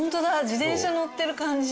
自転車乗ってる感じ。